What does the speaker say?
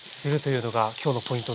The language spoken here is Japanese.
今日のポイントで。